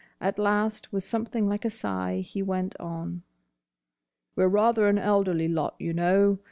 At last, with something like a sigh he went on. "We're rather an elderly lot, y'know.